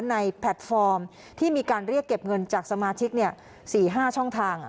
ในแพลตฟอร์มที่มีการเรียกเก็บเงินจากสมาชิกเนี้ยสี่ห้าช่องทางอ่ะ